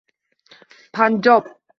Panjob